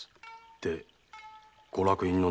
でご落胤の名は？